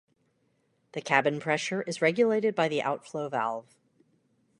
The cabin pressure is regulated by the outflow valve.